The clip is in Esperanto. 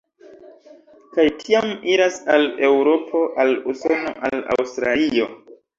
Kaj tiam iras al Eŭropo, al Usono, al Aŭstralio.